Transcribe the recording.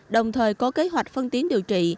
đồng thời có kế hoạch phân tiến điều trị